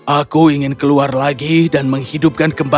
aku ingin keluar lagi dan menghidupkan kembali